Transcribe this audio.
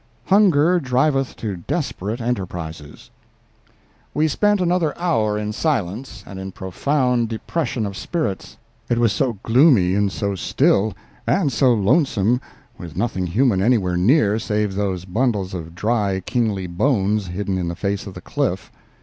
HUNGER DRIVETH TO DESPERATE ENTERPRISES We spent another hour in silence and in profound depression of spirits; it was so gloomy and so still, and so lonesome, with nothing human anywhere neat save those bundles of dry kingly bones hidden in the face of the cliff.